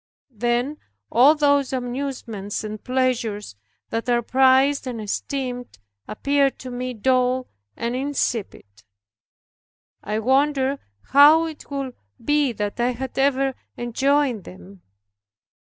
Then all those amusements and pleasures that are prized and esteemed appeared to me dull and insipid. I wondered how it could be that I had ever enjoyed them.